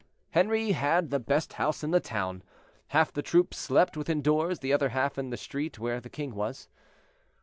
Henri had the best house in the town, half the troop slept within doors, the other half in the street where the king was.